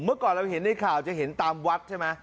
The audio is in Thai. เมื่อก่อนเราเห็นในข่าวจะเห็นตามวัดใช่ไหม